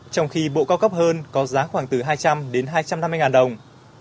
trong khi bộ cao cấp hơn có giá khoảng từ hai trăm linh đến hai trăm năm mươi ngàn đồng